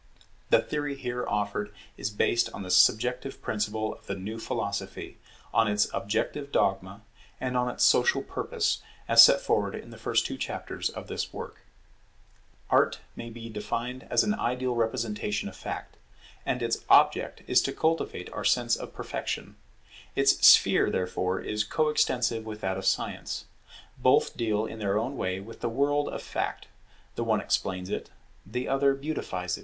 The theory here offered is based on the subjective principle of the new philosophy, on its objective dogma, and on its social purpose; as set forward in the two first chapters of this work. [Art is the idealized representation of Fact] Art may be defined as an ideal representation of Fact; and its object is to cultivate our sense of perfection. Its sphere therefore is co extensive with that of Science. Both deal in their own way with the world of Fact; the one explains it, the other beautifies it.